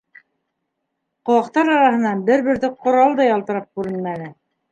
Ҡыуаҡтар араһынан бер бөртөк ҡорал да ялтырап күренмәне.